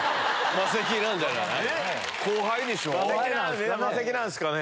マセキなんですかね。